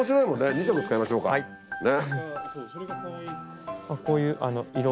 ２色使いましょうかね！